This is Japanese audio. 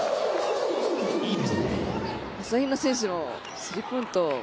朝比奈選手もスリーポイント